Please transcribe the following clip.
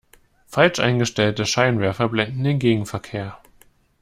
Falsch eingestellte Scheinwerfer blenden den Gegenverkehr.